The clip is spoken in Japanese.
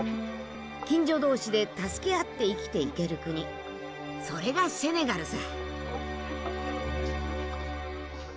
近所同士で助け合って生きていける国それがセネガルさ。